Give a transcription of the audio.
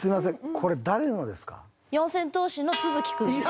これ誰のですか？